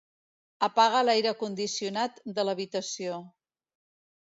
Apaga l'aire condicionat de l'habitació.